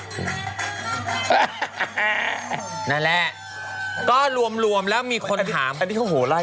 เพราะว่าอันนี้มันเป็นแบบว่า